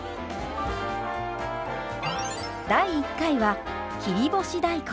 第１回は切り干し大根。